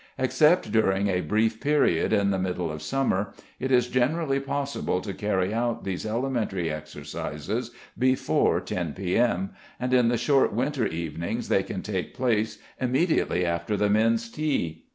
Except during a brief period in the middle of summer, it is generally possible to carry out these elementary exercises before 10 p.m., and in the short winter evenings they can take place immediately after the men's tea.